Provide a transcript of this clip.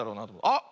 あっ！